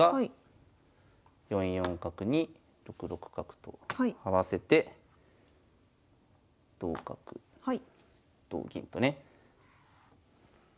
４四角に６六角と合わせて同角同銀とね。